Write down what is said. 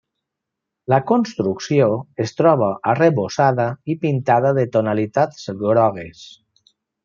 La construcció es troba arrebossada i pintada de tonalitats grogues.